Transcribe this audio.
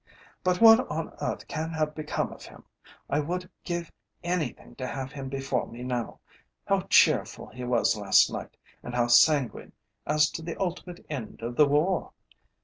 But what on earth can have become of him? I would give anything to have him before me now. How cheerful he was last night, and how sanguine as to the ultimate end of the war!